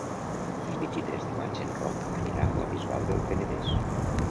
El vint-i-tres de maig en Roc anirà a la Bisbal del Penedès.